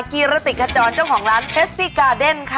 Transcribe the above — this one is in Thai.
กีรวรรติกฮจรเจ้าของร้านแพดซิการ์เดนค่ะ